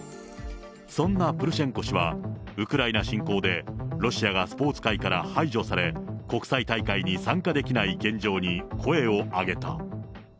そんなプルシェンコ氏は、ウクライナ侵攻で、ロシアがスポーツ界から排除され、国際大会に参加できない現状に声を上げた。